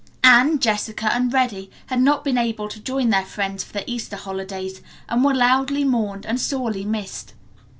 Anne, Jessica and Reddy had not been able to join their friends for the Easter holidays and were loudly mourned and sorely missed.